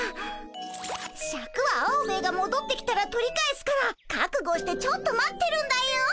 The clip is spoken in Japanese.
シャクはアオベエがもどってきたら取り返すから覚悟してちょっと待ってるんだよ。